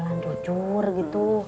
kan kamu tuh cuma jualan cucur gitu